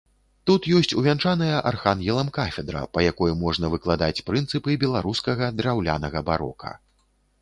Тут ёсць увянчаная архангелам кафедра, па якой можна выкладаць прынцыпы беларускага драўлянага барока.